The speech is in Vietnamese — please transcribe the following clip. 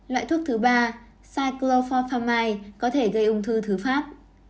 loại thuốc thứ ba cyclophosphamide có thể gây ung thư thứ pháp